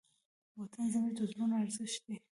وطن زموږ د زړونو ارزښت دی.